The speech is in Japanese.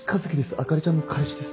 朱里ちゃんの彼氏です。